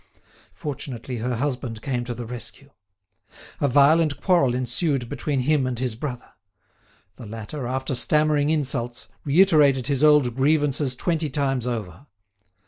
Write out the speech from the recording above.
Fortunately her husband came to the rescue. A violent quarrel ensued between him and his brother. The latter, after stammering insults, reiterated his old grievances twenty times over.